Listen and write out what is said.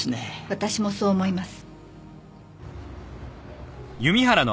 私もそう思います。